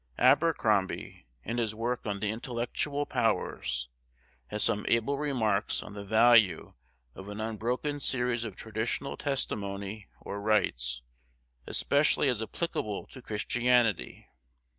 Abercrombie, in his work on the Intellectual Powers, has some able remarks on the value of an unbroken series of traditional testimony or rites, especially as applicable to Christianity.